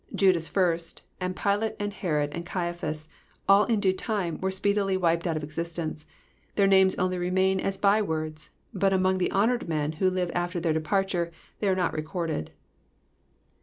Judas first, and Pilate, and Herod, and Caiaphas. all in due time, were speedily wiped out of existence ; their names only remain as by words, but among the honoured men who live after their departure they are not recorded.